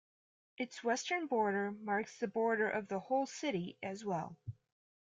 Its western border marks the border of the whole city as well.